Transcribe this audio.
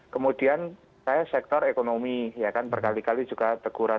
kemudian saya sektor ekonomi ya kan berkali kali juga teguran